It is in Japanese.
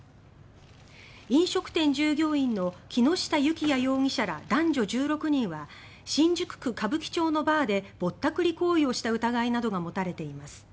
飲食店従業員の木下幸也容疑者ら男女１６人は新宿区歌舞伎町のバーでぼったくり行為をした疑いなどが持たれています。